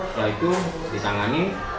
setelah itu disangani